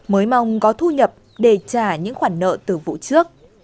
mới mong có thu nhập để trả những khoản nợ từ vụ trước